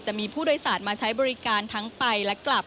จะมีผู้โดยสารมาใช้บริการทั้งไปและกลับ